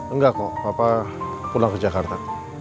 enggak kok papa pulang ke jakarta